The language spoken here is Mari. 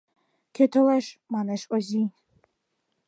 — Кӧ толеш? — манеш Озий.